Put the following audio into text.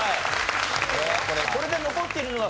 これで残っているのが。